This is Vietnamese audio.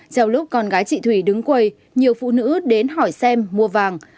trong lúc con gái chị thủy đứng quầy nhiều phụ nữ đến hỏi xem mua vàng